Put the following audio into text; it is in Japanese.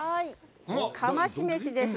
「かましメシ」です。